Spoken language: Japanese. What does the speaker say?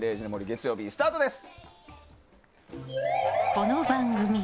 月曜日スタートです。